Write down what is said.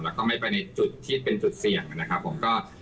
แล้วก็ไม่ไปในจุดที่เป็นจุดเสี่ยงนะครับผมก็